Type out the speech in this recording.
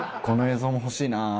この映像も欲しいな。